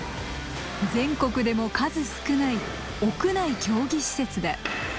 全国でも数少ない屋内競技施設だ。